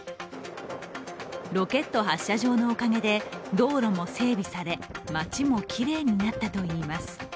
ロケット発射場のおかげで道路も整備され街もきれいになったといいます。